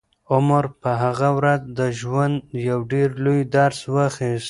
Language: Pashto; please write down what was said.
عمر په هغه ورځ د ژوند یو ډېر لوی درس واخیست.